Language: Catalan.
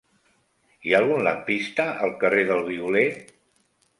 Hi ha algun lampista al carrer del Violer?